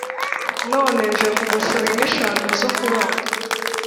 none nje kugusaba inka eshanu zo kubaga